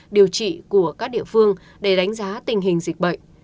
điều trị của các địa phương để đánh giá tình hình dịch bệnh